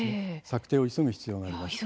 策定を急ぐ必要があります。